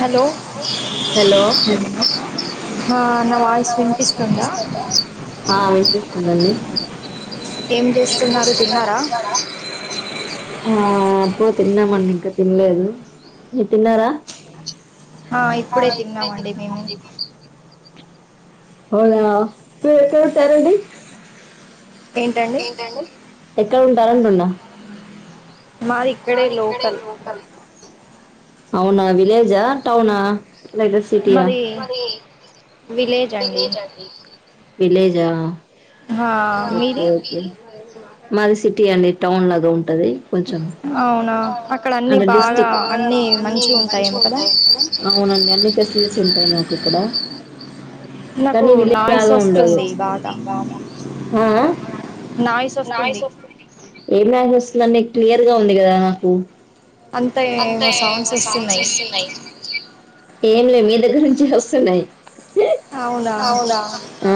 Hello hello ఆ నా voice వినిపిస్తుందా ఆ ఏం చేస్తున్నారు తిన్నారా ఆ అప్పుడే తిన్నామండి ఇంకా తినలేదు మీరు తిన్నారా ఆ ఇప్పుడే తిన్నామండి అవునా మీరు ఎక్కడ ఉంటారండి ఏంటండి ఎక్కడ ఉంటారంటున్నా మాది ఇక్కడే లోకల్ అవునా విలేజా టౌనా లేదా సిటీ ఆ మాది విలేజ్ అండి విలేజా ఆ ఓకే మీది ఓకే మీది మాది సిటీ అండి టౌన్ లాగా ఉంటది కొంచెం అవునా అ అక్కడ అన్నీ అంటే బాగా డిస్ట్రిక్ట్ అన్ని బాగా అన్నీ అన్ని మంచిగా మంచిగ ఉంటాయేమో కదా ఉంటాయ అవునండి అన్ని ఫె సిలిటీస్ ఉంటాయి మాకు ఇక్కడ కానీ విలేజ్ లాగా ఉండదు నాయిస్ వస్తుంది బాగా హ నాయిస్ వస్తుంది ఏం నాయిస్ వస్తుంది న్న క్లియర్ గా ఉంది కదా నాకు అంత ఏ ఏమో సౌండ్స్ వస్తున్నాయి ఏం లే మీ దగ్గర నుంచే వస్తున్నాయి ఆ అవునా ఆ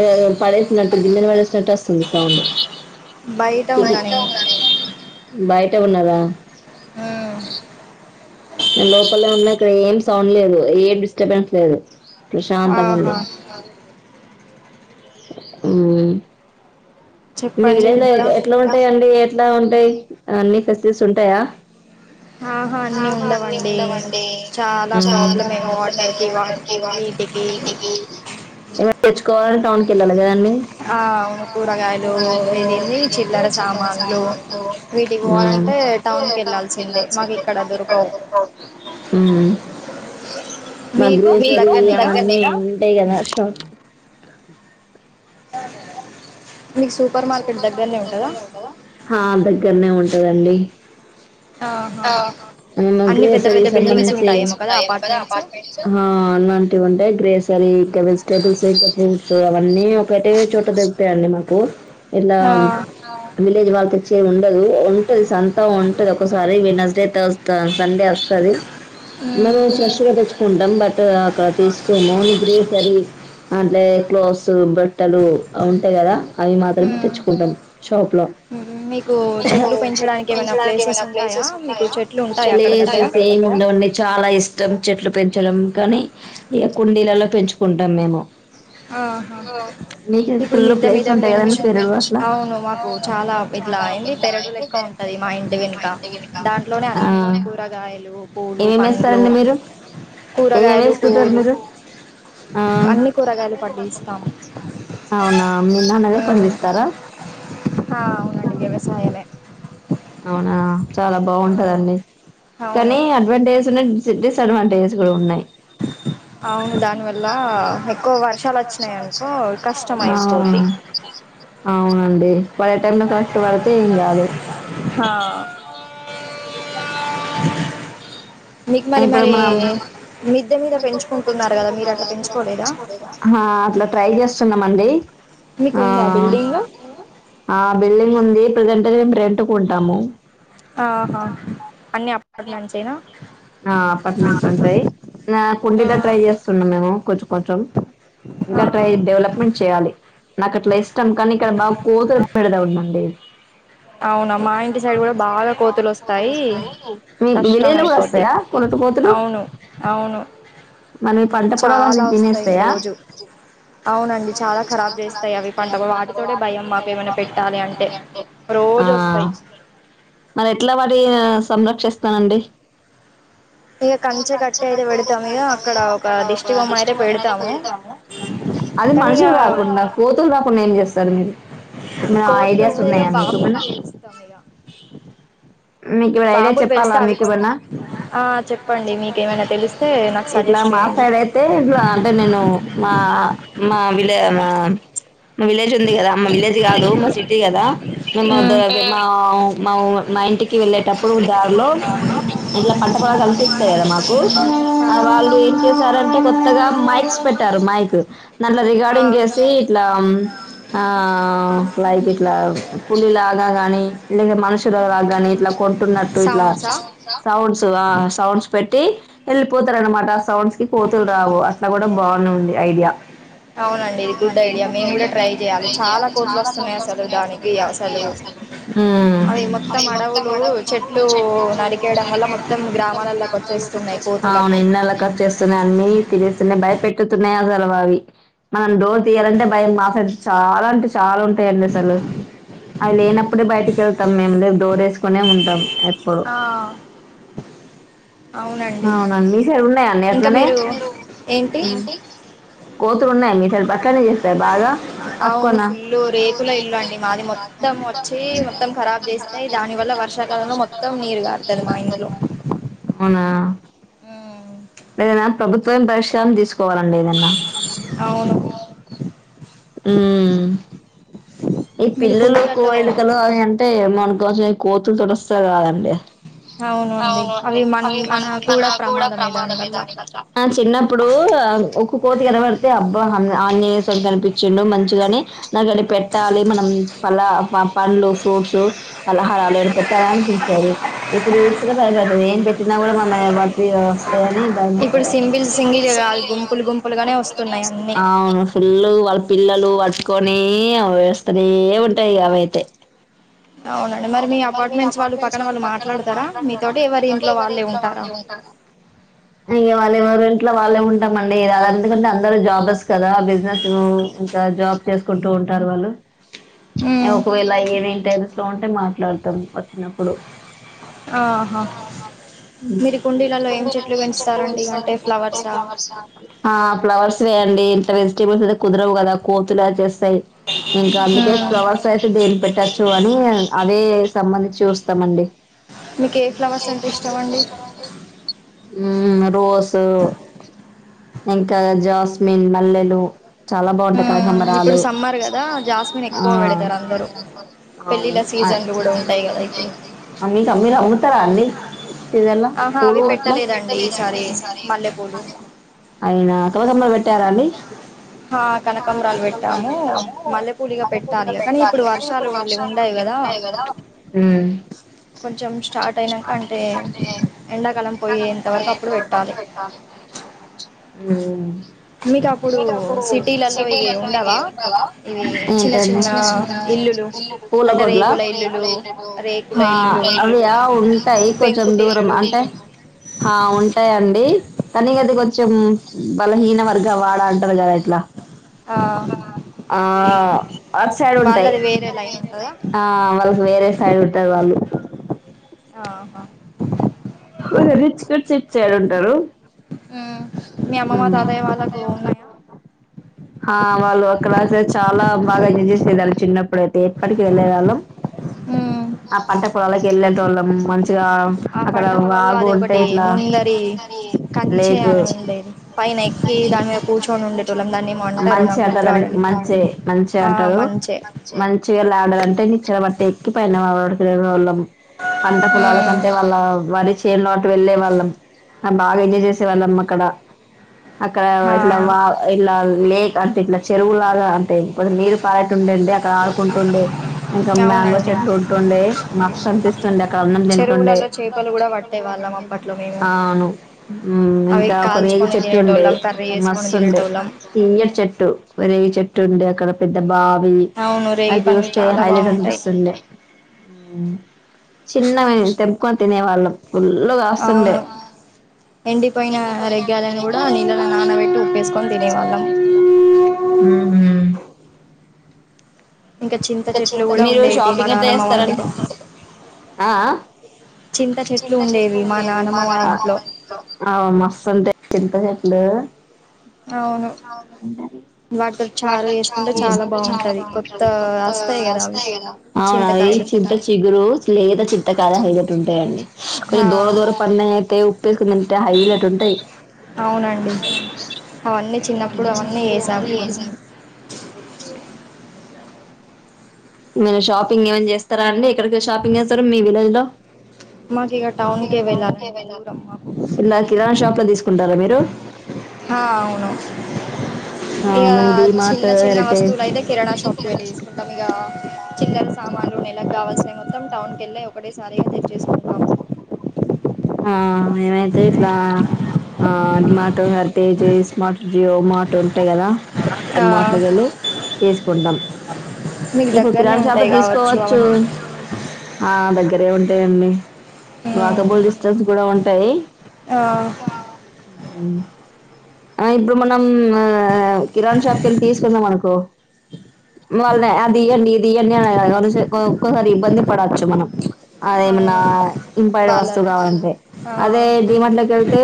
ఏదో పడేసినట్టు గింన్నలు పడేసినట్టు వస్తుంది సౌండ్ ఉన్నా బయట నేను ఉన్న నేను బయట ఉన్నారా అ నేను లోపల్నే ఉన్నా ఇక్కడ ఏం సౌండ్ లేదు ఏ డిస్టర్బెన్స్ లేదు ఆహా ప్రశాంతంగుంది మీ చెప్పండి విలేజ్ లో ఇంకా ఎట్లా ఉంటాయంండి ఎట్లా ఉంటాయి అన్ని ఫెసిలిటీస్ ఉంటాయా ఆహా అన్ని ఉండవండి చాలా ప్రాబ్లమే ప్రాబ్లమ్ ఏ వాటర్కి వా వాటర్ కి ఇకో వీటికి టాన్ ఎవరు తెచ్చుకోవాలి టామ్ కింద ఆ అవును కూరగాయ లూ ఇదెందీ చిల్లర సామాన్లు వీటికి పోవాలంటే టౌన్ కీ వెళ్లాల్సిందే ఉమ్ మీకు దగ్గరనే నా ఆ ఆ దగ్గరనే ఉంటదండి ఆహా పెద్ద పెద్ద బిల్డింగ్స్ ఉంటాయి కదా అపార్ట్మెంట్స్ ఉంటాయి గ్రేసరీ ఇంకా వెజిటేబుల్స్ ఇంకా ఫ్రూట్స్ అవన్నీ ఒకటే చోట దొగుతాయిడి మాకు ఇలా ఆ విలేజ్ వాళ్ళ తెచ్చే ఉండదు ఉంటది సంతం ఉంటది ఒక సారీ వెనస్డే త సండే వస్తది మ్మ్ మనము ఫ్రెష్గా తెచ్చుకుంటాం బట్ అక్కడ తీసుకోము గ్రేసరీ అంటే క్లోస్ బ బట్టలు ఉంటాయి కదా అవి మాత్రమే మ్మ్ తెచ్చుకుంటాం షాప్ లో మ్మ్ మీకు చెట్లు చె పెంచడానికి పంచడానికి ప్లేసెస్ ఏమైనా ఉంటాయా మీకు చెట్లు ఉంటాయా అస్సలు అక్కడ ఏం దగ్గర ఏం ఉన్నడవు అంది చాలా ఇష్టం చెట్లు పెంచడం పెంచడం కానీ ఇ కుండీలలో పెంచుకుంటాం మేము ఆహా మీకు ఇప్పుడు ఫుల్ మిద్ద ప్లేస్ మీద ఉంటాయి కదండి పెంచు పెరుగు అట్లా అవును మాకు చాలా ఇట్లా ఏంటి పెరడు లెక్క ఉంటది మా ఇంటి వెనుక దాంట్లోనే ఆ అన్ని కూరగాయలు పూలు, ఏమేమి పండ్లు, వేస్తారండి మీరు ఏమేమి కూరగాయలు, వేసుకుంటారు పూలు మీరు ఆ అన్ని కూరగాయలు పండిస్తాం అవునా మీ నాన్నగారు ఉమ్, పండిస్తారా ఆ అవును అంది వ్యవసాయమే అవునా చాలా ఆ బాగుంటదండి అవును కానీ అడ్వాంటేజ ఉన్నాయ్ డిస్సడ్ టేజెస్ కూడా ఉన్నాయి అవును దానివల్ల ఎక్కువ వర్షాలు వచ్చినాయినుకో కష్టం అయిపోద్ది అవునండి పడే టైంలో కరెక్ట్ పడితే ఏం కాదు ఆ మీకు మరి ఇప్పుడు మరి మనం మిద్దె మీద పెంచుకుంటున్నారు కదా మీరు అట్లా పెంచుకోలేదా ఆ అట్లా ట్రై చేస్తున్నం అండి మీకుందా బిల్డింగ్ ఆ బిల్డింగ్ ఉంది ప్రజెంట్ అయితే మేము రెంట్ కీ ఉంటాము ఆహా అన్ని అపార్ట్మెంట్స్ ఏనా ఆ అపార్ట్మెంట్స్ ఉంటాయి, ఆ కుండీలో ట్రై చేస్తున్నా మేము కొంచెం కొంచెం ఇంకా ట్రై డెవలప్మెంట్ చేయాలి నాకు అట్లా ఇష్టం కానీ ఇక్కడ బాగా కోతులు పెడద ఉందండి అవునా మా ఇంటి సైడ్ కూడా బాగా కోతులు వస్తాయి మీకు కష్టం విలేజ్ లో కూడా అయ్యిపోది వస్తాయా కొలత కోతులు అవును అవును మరి మీ పంట పొలాలన్నీ చాలా వస్తాయి తినేస్తాయా రోజు అవునండి చాలా కరాబ్ చేస్తాయి అవి పంట వాటి పై భయం ఏమైనా పెట్టాలి అంటే ఆ రోజు వస్తాయి మరి ఎట్లా వాటి సంరక్షిస్తానండి ఇక ఇ కంచె కంచ కట్టి కట్ట అయితే పెడతాము ఇక పెడతాం ఇగా అక్కడ ఒక బొమ్మను దిష్టి అయితే బొమ్మ అయినా పెడతాము అది కానీ ఇక మనుషులు రాకుండా కోతులు రాకుండా ఏం చేస్తారు మీరు ఏమైనా కోతులు ఐడియాస్ వస్తే ఇక ఉన్నాయా మీకు బాంబులు ఏమైనా పేలుస్తాం ఇక మీకు ఏమైనా ఐడియా బాంబులు చెప్పాలా పేలిస్తే అవి మీకు కొంచెం ఏమైనా ఆ చెప్పండి మీకేమైనా తెలిస్తే నాకు ఇట్లా సజెస్ట్ మా చేయండి సైడ్ అయితే ఇట్లా అంటే నేను మా మా విళ మా విలేజ్ ఉంది కదా మా విలేజ్ కాదు మా సిటీ కదా మా మ్మ్ మదర్ మా మా ఇంటికి వెళ్ళేటప్పుడు దారిలో పంట పొ కనిపిస్తాయి కదా మాకు వాళ్ళు ఏం చేసారంటే కొత్తగా మైక్ పెట్టారు మైక్ దాంట్లో ఆ రికార్డింగ్ చేసి ఇట్లా ఆ లైక్ ఇట్లా పుల్లి లాగా కాగానీ లే మనుషుల లాగాని ఇట్లా కొంటున్నట్టు ఇట్లా సౌండ్సా సౌండ్స్ ఆ సౌండ్స్ పెట్ వెళ్ళిపోతారునమాట ఆ సౌండ్స్ కి కోతులు రావు అట్లా కూడా బాగునేంది ఐడియా అవునండి ఇది గు ఐడియా మేము కూడా ట్రై చేయాలి చాలా తోట్లు వస్తున్నాయి అసలు దానికి అవి మొత్తం ఉ అడవులు చెట్లు నరికేయడం వల్ల మొత్తం గ్రామాలలోకి వచ్చేస్తున్నాయి అవును కోతులన్నీ నెల ఖర్ త భ పెట్టుతున్నాయి అసలు అవి మనం డోర్ తీయాలంటే భయం మాస చాలా అంట చాలా ఉంటాయంండి అసలు అవి లేనప్పుడే బయటికి వెళ్తాం మేము లే డోర్ వేసుకునే ఉంటాం ఎప్పుడు ఆ అవునండి మీ సరు ఉన్నాయాన్నీ ఇంకా అట్లనే మీరు ఏంటి కోతులు ఉన్నాయి మీసరి పట్టలనే చేస్తాయి బాగా అవును తక్కువన్న ఫుల్ రేకుల ఇల్లు అండి మాది మొత్తం వచ్చి మొత్తం ఖరాబ్ చేస్తాయి దాని వల్ల వర్షాకాలంలో మొత్తం మొత్తం నీరు కాార్తది మా ఇంట్లో మ్మ్. లేదనా ప్రభుత్వం పరిష్కారం తీసుకోవాలండి ఏదన్నా అవును ఆ ఈ మీరు పిల్లలు కుండలలో కోయికలు అవి అంటే ఏమోనుకోంచెం ఈ కోతులు తుడుస్తారు కాదండి అవును అంటే అండి అవునండి మన అవి మ మనకు మన కూడా ప్రమాదమే ప్రమాదంే దానివల్ల దాని అట్ చిన్నప్పుడు కోతి కరబడితే అబ్బా ఆనే కనిపించిండు మంచిగాని నాకుని పెట్ట పెట్టాలి మనం పలా పండ్లు ఫ్రూట్స్ పలహారాలు పెట్టాల అనిపించారు ఇప్పుడు చూస్తర భయపడుతంది ఏం పెట్టినా కూడా మటి అని భయ ఇప్పుడు సింగిల్ వస్తంది సింగిల్ కాదు గుంపులు గుంపులుగానే వస్తున్నాయి అన్ని సిల్వును ఫుల్ వాళ్ళ పిల్లలు పట్టుకొని అ వేస్తనే ఉంటాయి అవయితే అవునండి మరి మీ అపార్ట్మెంట్స్ వాళ్ళు పక్కన వాళ్ళు మాట్లాడతారా మీతోటి ఎవరి ఇంట్లో వాళ్ళే ఉంటారా అయ్యో వాళ్ళ ఎవరి ఇంట్లో వాళ్ళే ఉంటామ అండి అ ఎందుకంటే అందరు జాబ్స్ కదా బిజినెస్ ఇంకా జాబ్ చేసుకుంటూ ఉంటారు వాళ్ళు ఉమ్ ఒకవేళ ఏమే టైస్లో ఉంటే మాట్లాడతాం వచ్చినప్పుడు ఆహ అంటే ఫ్లవర్సా ఫ్లవర్స్ వేయండి వెజిటేబుల్ అయితే కుదరవు కదా కోతులు చే ఇంకా అందుకే ఉమ్ ప్రవాస అయితే దేని పెట్టచ్చు అని అవే సంబంధించి చూస్తామండి మీకు ఏ ఫ్లవర్స్ అంటే ఇష్టం అండి రోజ్ ఇంకా జాస్మిన్ మల్లెలు చాలా బాగుంటాయి ఉమ్ కళకంబరాలు ఇప్పుడు సమ్మర్ కదా జాస్మిన్ ఆ ఎక్కువ పెడతారు అందరూ అవును పెళ్ళిళ్ళ సీజన్లు కూడా ఉంటాయి కదా ఇప్పుడు మీకు మీరు అమ్ముతారా అండి సీజన్ ఆహా పూ అవి పెట్టలేదండి ఈసారి ఈ సారి మల్లెపూలు అయినా కనకాంబరాలు పెట్టారా అండి ఆ కనకంబరాలు కనకాంబరాలు పెట్టాము మల్లెపూలు ఇగ పదపూడిగా ఇగ పెట్టాలి కానీ ఇప్పుడు వర్షాలు హషా ఉండయి ఇద కదా కొ కొంచెం స్టార్ట్ అయినాక అంటే ఎండాకాలం ఎన్నగ పోయేంత పోయి వరకు అప్పుడు పప్పు పెట్టాలి పెట్ట అ మీకు అప్పుడు సిటీ లోన్న ఇది ఉండవా ఇ చిన్న చిన్న ఇల్లులు అంటే పూలగడ్ల రేకుల ఇల్లులు రేకుల ఇల్లులు అవి ఉంటాయి కొంచెం దూరం పెంకుటిల్లులు అంటే ఉంటాయంండి కానీ అది కొంచెం బలహీన వర్గ వాడ అంటారు కద ఇట్లా ఆ ఆ అట్ సైడ్ ఉంటాయి వాళ్ళది వేరే లైన్ ఉంటదా ఆ వాళ్ళకు వేరే సైడ్ ఉంటరు వాళ్ళు ఆహా రిచ్ కిడ్స్ ఇట్ సైడ్ ఉంటారు. ఉమ్ మీ అమ్మమ్మ మ్ తాతయ్య వాళ్ళకు ఉన్నాయా ఆ వాళ్ళు అక్కడ చాలా బాగా ఎంజాయ్ చేసిరు ఆళ్ళు చిన్నప్పుడు అయితే ఇప్పటికి వెళ్ళే వాళ్ళం ఆ పంట పొలాలకి ఎళ్ళేంటోళ్ళం మంచు గా ఆ అక్కడ పంట పొలాల్లో వాగు అది ఒకటి ఉంటాయి ఇట్లా ముందరి కంచె లేకు అని ఉండేది పైన ఎక్కి దాని మీద కూర్చొని ఉండేటోళ్ళం దాన్ని ఏమో అంటారు మంచె నాకు గుర్తు అంటరు రావడం దానికి మంచె మంచ ఆ అం టారు మంచే మంచిగాలాడాలంటే నిచ్చెన పట్టి ఎక్కిపయినార్ తిరిగేటోళ్ళం ఆ పంట పొలాల కంటే వాళ్ళ వరి చేనులో అటు వెళ్ళే వాళ్ళం బాగా ఎంజాయ్ చేసే వాళ్ళం అక్కడ అక్కడ ఇట్లా వా ఇట్లా లేక్ అంటే ఇట్లా చెరువులాగా అంటే కొద్ నీరు పారేటుంటున్డే అక్కడ ఆడుకుంటుండే ఇంకా మ్యాంగో అవునండి చెట్లు ఉంటుండే మక్ష అనిపిస్తుండే అక్కడ అన్నం తింటుండే చెరువులలో చేపలు కూడా పట్టే అప్పట్లో మే ఆ అవును ఇంకా ఒక రేగి కాల్చుకొని చెట్టు ఉండే తినేటోళ్ళం కర్రీ చేసుకొని మస్తు ఉండే తినేటోళ్ళం తీయ్యటి చెెట్టు రేగి చెెట్టు ఉండే అక్కడ పెద్ద బావి అవును రేగి అది పండ్లు చూస్తే చాలా హైలైట్ బాగుంటాయి అనిపిస్తుండే చిన్నవయితేం క్కొని తినే వాళ్ళం ఫుల్గా కాస్తుండే అవును ఎండిపోయిన రెగ్గాయలను కూడా నీళ్ళలో నానబెట్టి ఉప్పేసుకొని తినేవాళ్ళం మ్ హు ఇంకా చింత చెట్లు ఇంకా కూడా మీరు ఉండేవి మా షాపింగ్ ఎట్ల నానమ్మ వాళ్ళ చేస్తారండి ఇంటికి ఆ ఆ చింత చెట్లు ఉండేవి మా ఇంట్లో ఆ మస్తు ఉండే చింత చెట్లు అవును అవును వాటితో చారు వాటిని చార్ వేసుకుంటే చాలా బాగుంటది కొత్త బావుటది ఎక్కువగ వస్తాయి కదా అవి కాస్తాయ్ కద చింతకాయలు చింత చిగురు లేదా చిత్త కాడ హైలెట్టు ఉంటాయండి హా కొంచెం దోర దోర పండ్ని అయితే కున్ అంత హైలైట్ ఉంటాయి అవునండి అవునండి అవన్నీ అ అవన్నీ చిన్నప్పుడు వేసాం ఒతను ఎసారు మీరు షాపింగ్ ఏవన్న చేస్తారా అండి ఇక్కడికే షాపింగ్ చేస్తారు మీ విలేజ్ లో మాకు ఇగ టౌన్కే వెళ్ళాలండి దూరం మాకు ఇలా కిరాణా షాప్ లో తీసుకుంటారా మీరు ఆ అవును ఆ ఇగ మేము డిమార్ట్ చిన్న చిన్న హెరిటేజ్ వస్తువులయితే కిరాణా షాప్కి వెళ్ళ తీసుకుటం ఇగ చిల్లర సామాన్లు నెల కావాల్సినవి మొత్తం టౌన్కి ఎళ్ళే ఒకటేసారిగా తెచ్చేస్కుటం ఆ మేమైతే ఇట్లా ఆ డిమార్క్ హరితేజ్ ఇస్మార్క్ జియో మార్క్ ఉంటాయి కదా ఆ మార్క్లోకి వెళ్ళి తీసుకుంటాం మీకు ఇప్పు దగ్గరనే కిరాణ షాపులో ఉంటాయి కావచ్చు తీసుకోవచ్చు అవన్నీ ఆ దగ్గరే ఉంటాయండి ఉమ్ వాకబుల్ డిస్టెన్స్ కూడా ఉంటాయి ఆ ఆ ఇప్పుడు మనం కిరాణ షాప్ కెళ్ళి తీసుకుందాం అనుకో వాళ్ళని అదియండి ఇదియండి ఒకోసారి ఇబ్బంది పడచ్చు మనం అదేమన్నా అవును ఇంపైర్డ్ వస్తువు వాళ్ళను కావంటే ఆ అదే డిమార్క్ లోకి వెళ్తే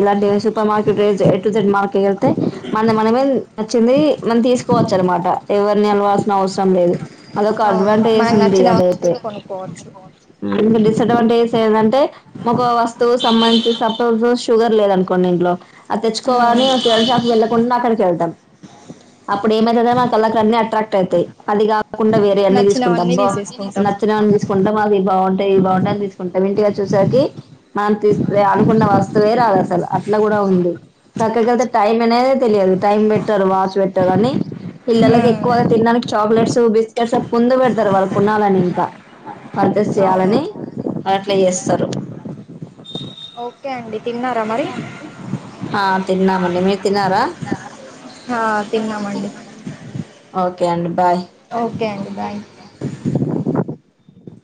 ఇలాంటి సూపర్ మార్కెట్ రే ఎ టు జెడ్ మార్కె కేళ్తే మన్ది మనమే నచ్చింది మనం తీసుకోవచ్చు అనమాట ఎవరిని నిలవాల్సిన అవసరం లేదు అదొక అవును అడ్వాంటేజ్ మనకు ఉంది నచ్చిన అదైతే వస్తువులు కొనుక్కోవచ్చు రెండు డిసడ్వాంటేజెస్ ఏంటంటే ఒక వస్తువు సంబంధించి సపోజు షుగర్ లేదు అనుకోండి ఇంట్లో అది ఉమ్ తెచ్చుకోవాలనిాకు వెళ్కుండా అక్కడికి వెళ్తాం అప్పుడు ఏమై మన వాళ్ళ అన్నీ అట్రాక్ట్ అవుతాయి అదిగా కాకుండా వేరే అన్ని తీసుకుంటా నచ్చినవన్నీ అబ్బో తీసేసుకుంటాం నచ్చినాని తీసుకుంటా మాది బాగుంటాయి బాగుంటాయి అని తీసుకుంటాం ఇంటిగా చూసాకి మనం తీస్తే అనుకున్న వస్తువే రాదు అసలు అట్లా కూడా ఉంది చక్క కళ్తే టైమ్ అనేద తెలియదు టైం పెట్టరు వాచ్ పెట్టరు అని పిల్లలకి ఉమ్ ఎక్కువగా తినడానికి చాక్లెట్స్ బిస్కెట్స్ పందు పెడతారు వాళ్ళు కొనాలని ఇంకా పరిచెస్ అవును చేయాలని అట్లా చేస్తారు ఓకే అండి తిన్నారా మరి తిన్నా మండి మీ తిన్నారా ఆ తిన్నాం ఓ హా ఓకే అండి బాయ్